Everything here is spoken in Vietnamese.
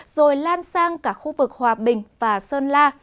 rồi lan sang cả khu vực hòa bình và sơn la